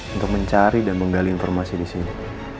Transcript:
untuk mencari dan menggali informasi disini